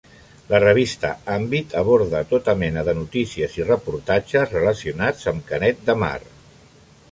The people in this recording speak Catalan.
La revista Àmbit aborda tota mena de notícies i reportatges relacionats amb Canet de Mar.